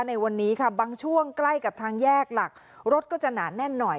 ในวันนี้ค่ะบางช่วงใกล้กับทางแยกหลักรถก็จะหนาแน่นหน่อย